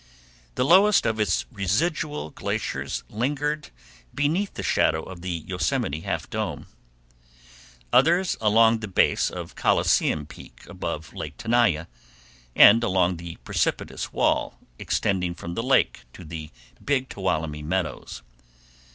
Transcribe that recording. The lowest of its residual glaciers lingered beneath the shadow of the Yosemite Half Dome; others along the base of Coliseum Peak above Lake Tenaya and along the precipitous wall extending from the lake to the Big Tuolumne Meadows.